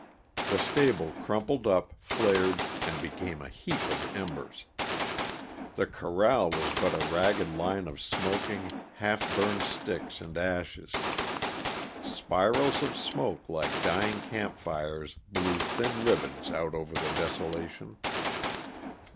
The stable crumpled up, flared, and became a heap of embers. The corral was but a ragged line of smoking, half burned sticks and ashes. Spirals of smoke, like dying camp fires, blew thin ribbons out over the desolation.